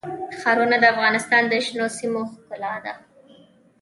ښارونه د افغانستان د شنو سیمو ښکلا ده.